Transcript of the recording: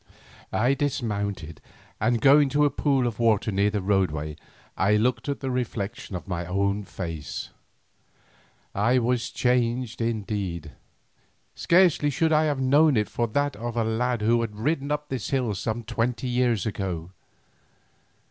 I dismounted, and going to a pool of water near the roadway I looked at the reflection of my own face. I was changed indeed, scarcely should I have known it for that of the lad who had ridden up this hill some twenty years ago.